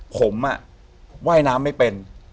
ผมว่ายน้ำไม่เป็น